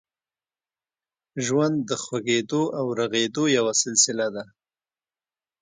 ژوند د خوږېدو او رغېدو یوه سلسله ده.